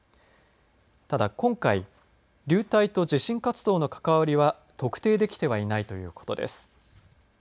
ただ、今回流体と地震活動の関わりは特定できてはいないということです。